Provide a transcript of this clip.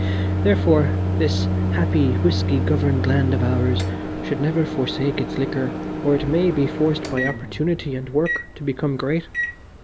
Therefore, this happy whisky governed land of ours should never forsake its liquor or it may be forced by opportunity and work to become great.